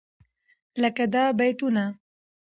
لکه دا بيتونه: